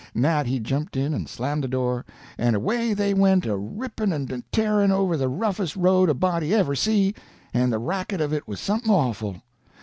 Nat he jumped in and slammed the door, and away they went a ripping and a tearing over the roughest road a body ever see, and the racket of it was something awful.